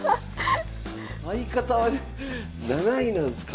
相方は７位なんすか？